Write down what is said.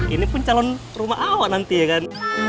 ini pun calon rumah awak nanti ya kan